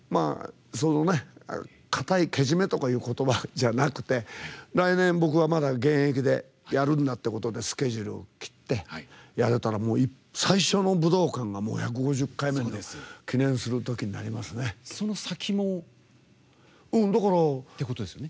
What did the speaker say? かたい、けじめとかいう言葉じゃなくて来年、僕はまだ現役でやるんだということでスケジュールを切ってやれたら最初の武道館が１５０回目のその先もってことですよね。